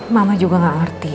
mama juga gak ngerti